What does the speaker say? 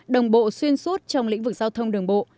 đồng bộ xuyên suốt trong lĩnh vực giao thông đường bộ